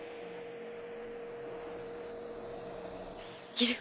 いる！